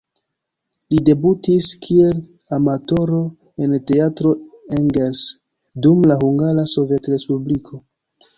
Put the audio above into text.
Li debutis kiel amatoro en "Teatro Engels" dum la Hungara Sovetrespubliko.